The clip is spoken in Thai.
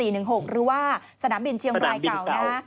หรือว่าสนามบินเชียงรายเก่านะฮะ